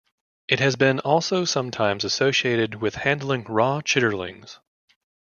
It has been also sometimes associated with handling raw chitterlings.